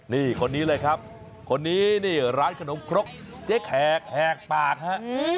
นี่คนนี้เลยครับคนนี้นี่ร้านขนมครกเจ๊แขกแหกปากฮะ